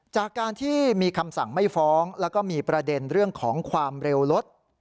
จากการที่มีคำสั่งไม่ฟ้องแล้วก็มีประเด็นเรื่องของความเร็วรถ